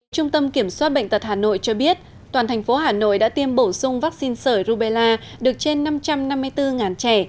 trung tâm kiểm soát bệnh tật hà nội cho biết toàn thành phố hà nội đã tiêm bổ sung vaccine sởi rubella được trên năm trăm năm mươi bốn trẻ